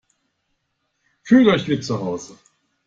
Fühlt euch wie zu Hause!